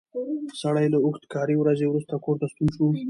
سړی له اوږده کاري ورځې وروسته کور ته ستون شو